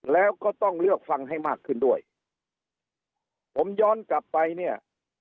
แล้วก็ต้องเลือกฟังให้มากขึ้นด้วยผมย้อนกลับไปเนี่ย